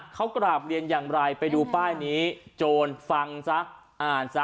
เขากราบเรียนอย่างไรไปดูป้ายนี้โจรฟังซะอ่านซะ